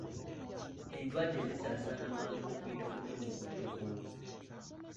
Endwadde zisaasaana mangu mu bitundu by'omugotteko